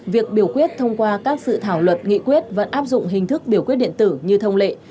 việc biểu quyết thông qua các sự thảo luật nghị quyết vẫn áp dụng hình thức biểu quyết điện tử như thông lệ